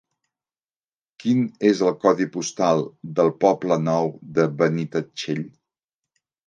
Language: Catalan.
Quin és el codi postal del Poble Nou de Benitatxell?